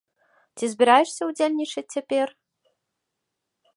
Ці збіраешся ўдзельнічаць цяпер?